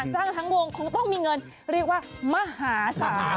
ทั้งวงคงต้องมีเงินเรียกว่ามหาศาล